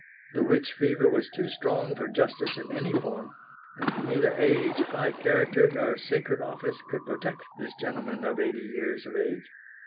The witch fever was too strong for justice in any form, and neither age, high character, nor sacred office could protect this gentleman of eighty years of age.